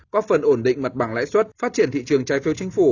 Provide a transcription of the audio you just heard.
có phần ổn định mật bằng lãi suất phát triển thị trường trai phiêu chính phủ